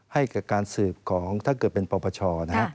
ให้กับการสืบของถ้าเกิดเป็นปปชนะฮะ